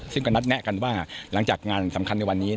ซึ่งก็นัดแนะกันว่าหลังจากงานสำคัญในวันนี้